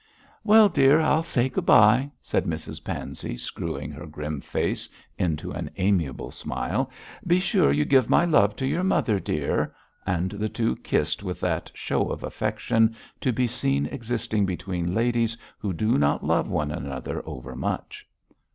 'Well, dear, I'll say good bye,' said Mrs Pansey, screwing her grim face into an amiable smile. 'Be sure you give my love to your mother, dear,' and the two kissed with that show of affection to be seen existing between ladies who do not love one another over much.